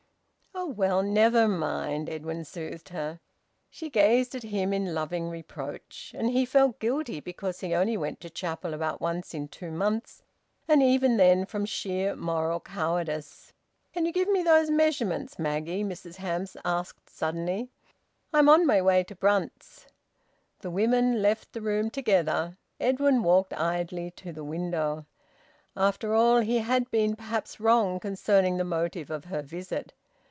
"Oh well! Never mind!" Edwin soothed her. She gazed at him in loving reproach. And he felt guilty because he only went to chapel about once in two months, and even then from sheer moral cowardice. "Can you give me those measurements, Maggie?" Mrs Hamps asked suddenly. "I'm on my way to Brunt's." The women left the room together. Edwin walked idly to the window. After all, he had been perhaps wrong concerning the motive of her visit.